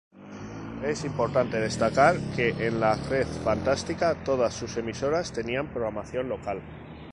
Es importante destacar que en La Red Fantástica todas sus emisoras tenían programación local.